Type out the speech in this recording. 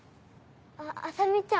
麻美ちゃん。